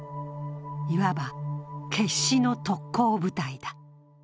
いわば決死の特攻部隊だ。